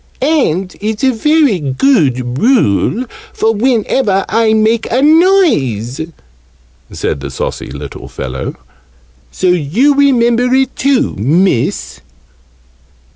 "And it's a very good rule for whenever I make a noise," said the saucy little fellow. "So you remember it too, Miss!"